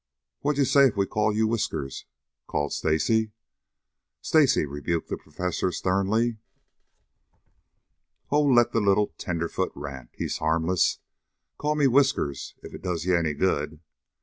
"What d'ye say if we call you Whiskers?" called Stacy. "Stacy!" rebuked the Professor sternly. "Oh, let the little tenderfoot rant. He's harmless. Call me Whiskers, if it does ye any good."